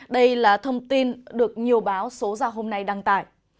đây là thông tin được nhiều báo số ra hôm nay đăng tải